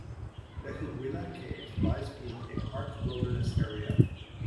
Lechuguilla Cave lies beneath a park wilderness area.